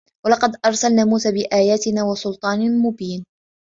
ولقد أرسلنا موسى بآياتنا وسلطان مبين